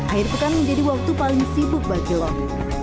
akhir pekan menjadi waktu paling sibuk bagi lok